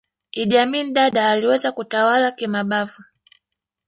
idd amin dada aliweza kutawala kimabavu